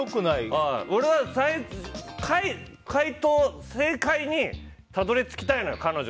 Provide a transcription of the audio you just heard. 俺は正解にたどり着きたいのよ